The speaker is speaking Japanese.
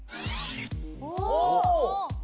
お！